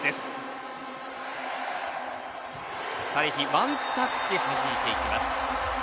ワンタッチ、はじいていきます。